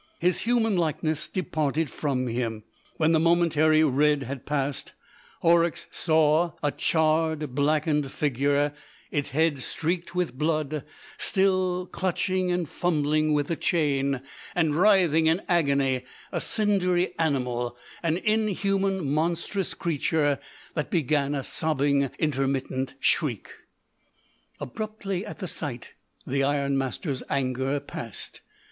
His human likeness departed from him. When the momentary red had passed, Horrocks saw a charred, blackened figure, its head streaked with blood, still clutching and fumbling with the chain, and writhing in agony a cindery animal, an inhuman, monstrous creature that began a sobbing intermittent shriek. Abruptly, at the sight, the ironmaster's anger passed.